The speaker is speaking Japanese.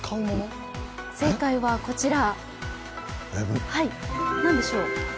正解はこちら。